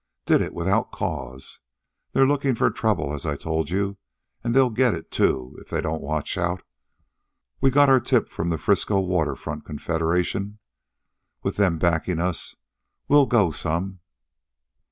Did it without cause. They're lookin' for trouble, as I told you, an' they'll get it, too, if they don't watch out. We got our tip from the Frisco Water Front Confederation. With them backin' us we'll go some."